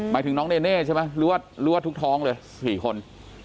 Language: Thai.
หมายถึงน้องเนเน่ใช่ไหมหรือว่าทุกท้องเลย๔คน